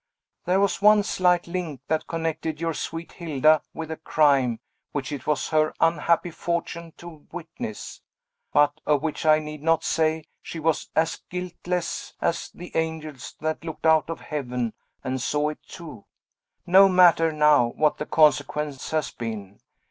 There was one slight link that connected your sweet Hilda with a crime which it was her unhappy fortune to witness, but of which I need not say she was as guiltless as the angels that looked out of heaven, and saw it too. No matter, now, what the consequence has been.